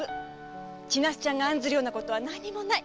千奈津ちゃんが案ずるようなことはなにもない！